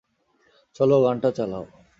চলো, গানটা চালাও!